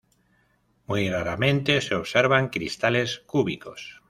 Muy raramente se observan cristales cúbicos.